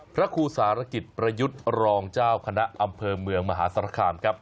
พระครูสารกิจประยุทธ์รองเจ้าคณะอำเภอเมืองมหาสารคามครับ